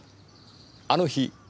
あの日。